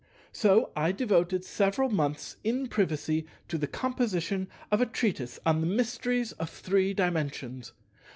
So I devoted several months in privacy to the composition of a treatise on the mysteries of Three Dimensions.